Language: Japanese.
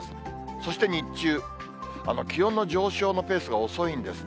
そして日中、気温の上昇のペースが遅いんですね。